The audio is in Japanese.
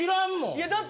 いやだって。